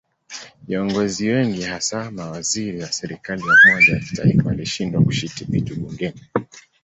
Viongozi wengi hasa mawaziri wa serikali ya umoja wa kitaifa walishindwa kushika viti bungeni.